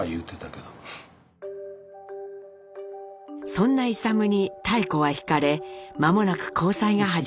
そんな勇に妙子は惹かれ間もなく交際が始まります。